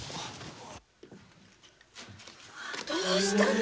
どうしたの！？